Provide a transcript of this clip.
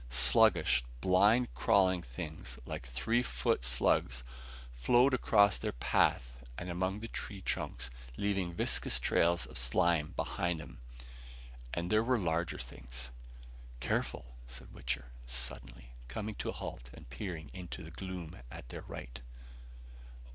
Sluggish, blind crawling things like three foot slugs flowed across their path and among the tree trunks, leaving viscous trails of slime behind them. And there were larger things.... "Careful," said Wichter suddenly, coming to a halt and peering into the gloom at their right.